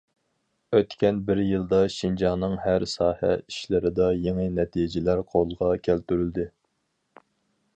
ئۆتكەن بىر يىلدا، شىنجاڭنىڭ ھەر ساھە ئىشلىرىدا يېڭى نەتىجىلەر قولغا كەلتۈرۈلدى.